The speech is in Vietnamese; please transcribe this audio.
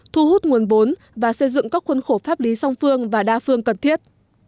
thu hút nguồn vốn và xây dựng các khuôn khổ pháp lý song phương và đa phương cần thiết